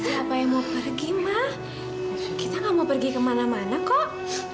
siapa yang mau pergi mah kita gak mau pergi kemana mana kok